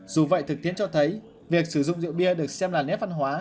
dù vậy thực tiễn cho thấy việc sử dụng rượu bia được xem là nét văn hóa